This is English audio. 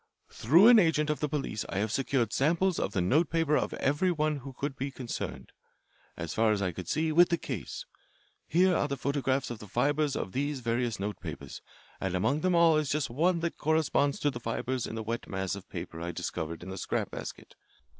Through an agent of the police I have secured samples of the notepaper of every one who could be concerned, as far as I could see, with this case. Here are the photographs of the fibres of these various notepapers, and among them all is just one that corresponds to the fibres in the wet mass of paper I discovered in the scrap basket.